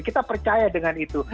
kita percaya dengan itu